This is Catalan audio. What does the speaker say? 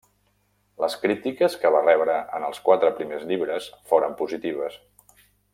Les crítiques que va rebre en els quatre primers llibres foren positives.